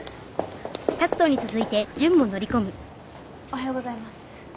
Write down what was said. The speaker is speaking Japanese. おはようございます。